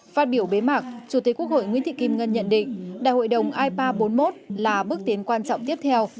phát biểu bế mạc chủ tịch quốc hội nguyễn thị kim ngân nhận định đại hội đồng ipa bốn mươi một là bước tiến quan trọng tiếp theo